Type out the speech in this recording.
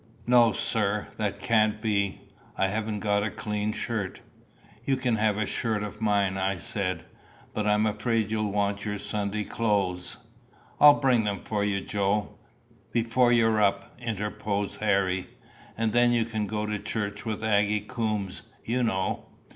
"No, sir, that can't he. I haven't got a clean shirt." "You can have a shirt of mine," I said. "But I'm afraid you'll want your Sunday clothes." "I'll bring them for you, Joe before you're up," interposed Harry. "And then you can go to church with Aggy Coombes, you know."